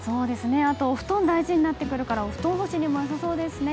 あとお布団大事になってくるからお布団干しにも良さそうですね。